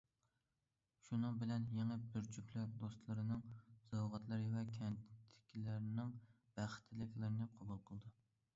شۇنىڭ بىلەن يېڭى بىر جۈپلەر دوستلىرىنىڭ سوۋغاتلىرى ۋە كەنتتىكىلەرنىڭ بەخت تىلەكلىرىنى قوبۇل قىلىدۇ.